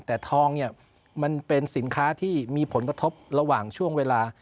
แต่ทองเนี่ยมันเป็นสินค้าที่มีผลกระทบระหว่างช่วงเวลา